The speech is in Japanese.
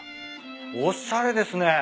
おしゃれですね。